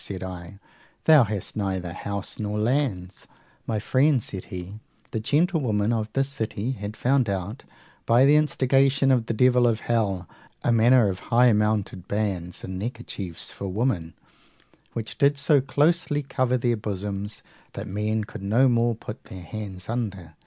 said I; thou hast neither house nor lands. My friend, said he, the gentlewomen of this city had found out, by the instigation of the devil of hell, a manner of high mounted bands and neckerchiefs for women, which did so closely cover their bosoms that men could no more put their hands under.